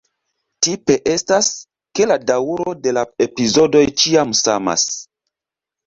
Tipe estas, ke la daŭro de la epizodoj ĉiam samas.